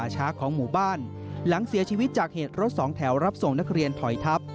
หลังเสียชีวิตจากเหตุรถสองแถวรับส่งนักเรียนถอยทับ